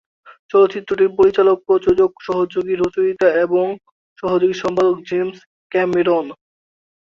চলচ্চিত্রটির পরিচালক, প্রযোজক, সহযোগী রচয়িতা এবং সহযোগী সম্পাদক জেমস ক্যামেরন।